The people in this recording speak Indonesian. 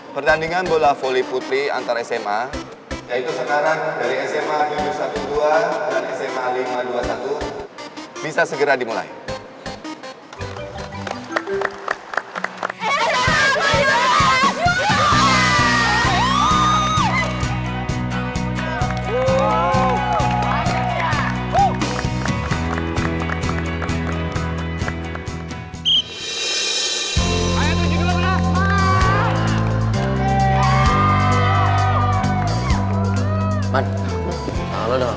pertandingan bola volley putri antar sma yaitu sekarang dari sma junior satu dua dan sma lima dua satu bisa segera dimulai